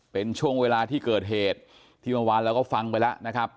เป็นช่วงเวลาที่เกิดเหตุที่เมื่อวานเราก็ฟังไปแล้วนะครับ